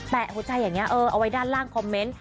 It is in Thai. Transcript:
หัวใจอย่างนี้เอาไว้ด้านล่างคอมเมนต์